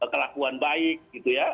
kelakuan baik gitu ya